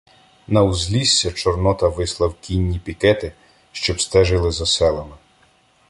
На узлісся Чорнота вислав кінні пікети, щоб стежили за селами.